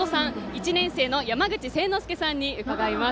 １年生の山口せいのすけさんに伺います。